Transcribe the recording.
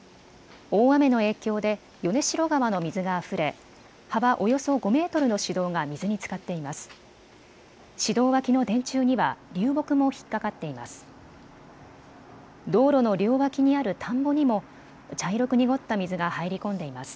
大雨の影響で米代川の水があふれ幅およそ５メートルの市道が水につかっています。